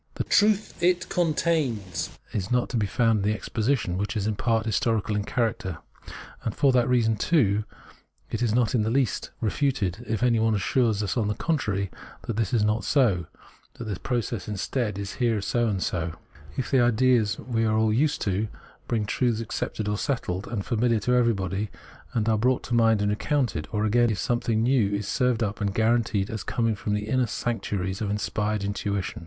The truth it contains is not to be found in this exposition, which is in part historical in character. And just for that reason, too, it is not in the least 66 Phenomenology of Mind refuted if anyone assures us on the contrary that this is not so, that the process instead is here so and so, if ideas we are all used to, being truths accepted or settled and famihar to everyone, are brought to mind and recoimted, or, again, if something new is served up and guaranteed as coming from the inner sanc tuaries of inspired intuition.